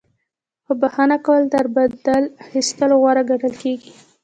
خو بخښنه کول تر بدل اخیستلو غوره ګڼل کیږي.